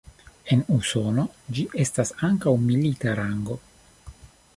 En Usono ĝi estas ankaŭ milita rango.